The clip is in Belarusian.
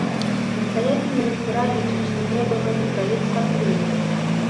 Настаяцель манастыра лічыць, што трэба гэты праект падтрымліваць.